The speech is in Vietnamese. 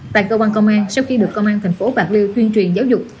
tại cơ quan công an sau khi được công an thành phố bạc liêu tuyên truyền giáo dục